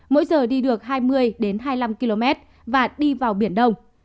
mỗi giờ đi được hai mươi hai mươi năm km và đi vào biển đông